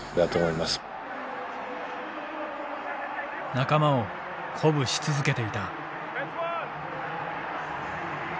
仲間を鼓舞し続けていた。